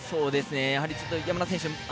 やはり山田選手